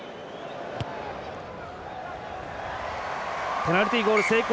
ペナルティゴール成功。